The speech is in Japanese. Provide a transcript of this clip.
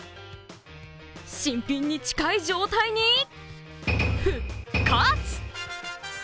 新品に近い状態に復活。